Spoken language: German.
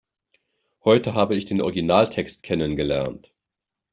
Heute habe ich den Originaltext kennen gelernt.